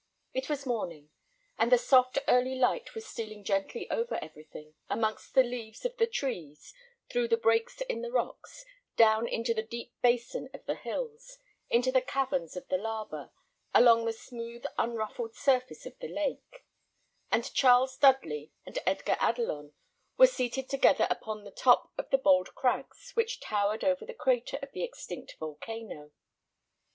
It was morning, and the soft early light was stealing gently over everything, amongst the leaves of the trees, through the breaks in the rocks, down into the deep basin of the hills, into the caverns of the lava, along the smooth unruffled surface of the lake; and Charles Dudley and Edgar Adelon were seated together upon the top of the bold crags which towered over the crater of the extinct volcano.